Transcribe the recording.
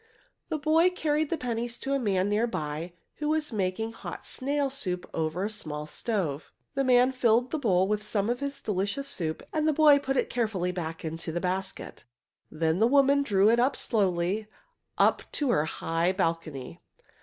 The boy carried the pennies to a man near by, who was making hot snail soup over a small stove. The man filled the bowl with some of his delicious soup, and the boy put it carefully back into the basket. Then the woman drew it slowly up, up to her high balcony.